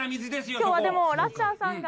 きょうはでもラッシャーさんが。